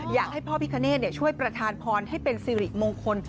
อยากให้พ่อพิคเนธช่วยประธานพรให้เป็นสิริมงคล